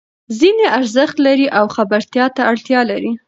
ځینې ارزښت لري او خبرتیا ته اړتیا لري.